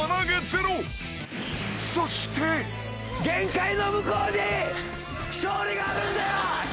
［そして］限界の向こうに勝利があるんだよ！